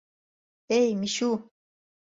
— Эй, Мичу!..